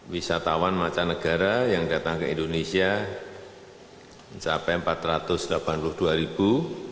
wisatawan mancanegara yang datang ke indonesia mencapai empat ratus delapan puluh dua ribu